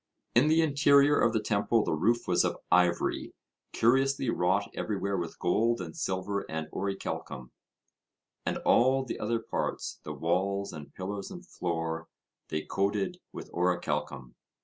In the interior of the temple the roof was of ivory, curiously wrought everywhere with gold and silver and orichalcum; and all the other parts, the walls and pillars and floor, they coated with orichalcum.